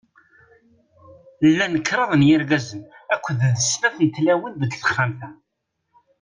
Llan kraḍ n yirgazen akked d snat n tlawin deg texxamt-a.